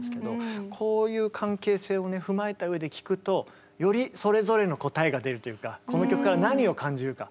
こういう関係性を踏まえた上で聴くとよりそれぞれの答えが出るというかこの曲から何を感じるか。